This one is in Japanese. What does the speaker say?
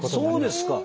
そうですか！